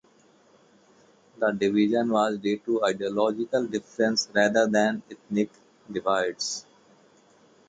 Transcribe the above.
The division was due to ideological differences rather than ethnic divides.